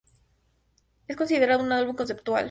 Es considerado un álbum conceptual.